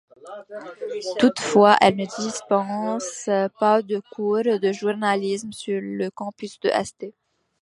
Toutefois, elle ne dispense pas de cours de journalisme sur le campus de St.